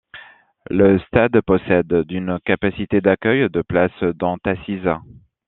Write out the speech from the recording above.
Le stade possède d’une capacité d’accueil de places dont assises.